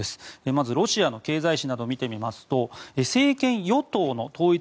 まずロシアの経済紙などを見てみますと政権与党の統一